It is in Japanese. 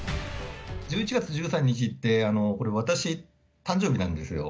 １１月１３日って、これ、私、誕生日なんですよ。